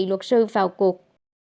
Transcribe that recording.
luật sư vào cuộc